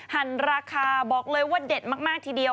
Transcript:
หั่นราคาบอกเลยว่าเด็ดมากทีเดียว